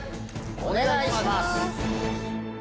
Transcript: お願いします。